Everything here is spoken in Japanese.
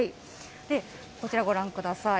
こちらご覧ください。